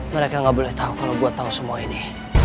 mereka nggak boleh tahu kalau gue tahu semua ini